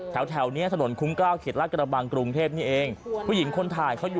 ตัดเตือนน้อยนะครับ